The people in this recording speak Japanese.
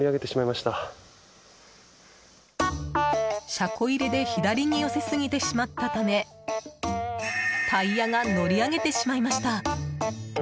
車庫入れで左に寄せすぎてしまったためタイヤが乗り上げてしまいました。